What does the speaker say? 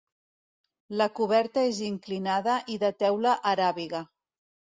La coberta és inclinada i de teula aràbiga.